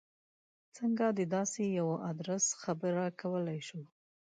څنګه د داسې یوه ادرس خبره کولای شو.